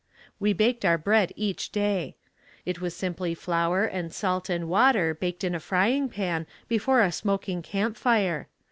We baked our bread each day. It was simply flour and salt and water baked in a frying pan before a smoking camp fire.